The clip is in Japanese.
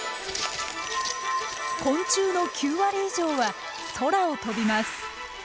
昆虫の９割以上は空を飛びます。